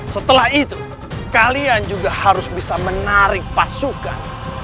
setelah itu kalian juga harus bisa menarik pasukan